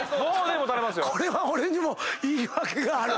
これは俺にも言い訳がある。